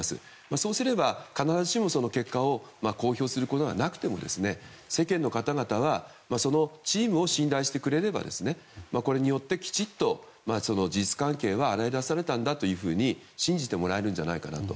そうすれば必ずしも結果を公表することはなくとも世間の方々はそのチームを信頼してくれればこれによってきちっと事実関係は洗い出されたんだというふうに信じてもらえるんじゃないかなと。